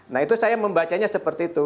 nah itu saya membacanya seperti itu